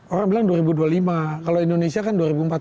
orang bilang dua ribu dua puluh lima kalau indonesia kan dua ribu empat belas